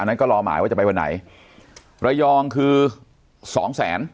นั้นก็รอหมายว่าจะไปวันไหนระยองคือสองแสน